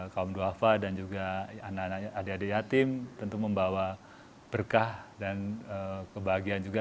kaum doafa dan juga adik adik yatim tentu membawa berkah dan kebahagiaan juga